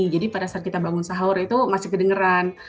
jadi pada saat kita bangun sahur itu masih kedengeran